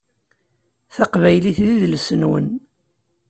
Taqbaylit d idles-nwen.